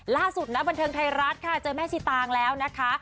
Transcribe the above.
ล่าสุดนะบันเทิงไทยรัฐค่ะเจอแม่ชีตางแล้วนะคะ